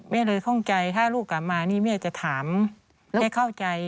เลยข้องใจถ้าลูกกลับมานี่แม่จะถามแม่เข้าใจ